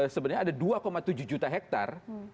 sebenarnya ada dua tujuh juta hektare